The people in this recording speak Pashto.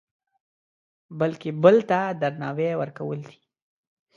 بلکې بل ته درناوی ورکول دي.